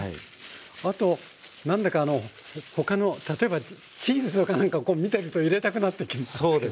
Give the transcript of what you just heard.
あと何だか他の例えばチーズとか何かを見てると入れたくなってきますけども。